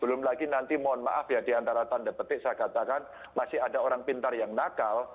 belum lagi nanti mohon maaf ya diantara tanda petik saya katakan masih ada orang pintar yang nakal